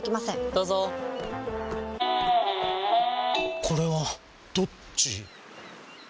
どうぞこれはどっち？